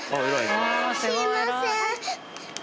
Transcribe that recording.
すいません。